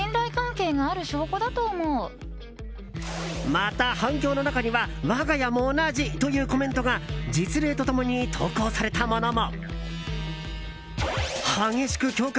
また、反響の中には我が家も同じ！というコメントが実例と共に投稿されたものも。